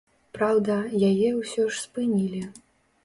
Праўда, яе ўсё ж спынілі.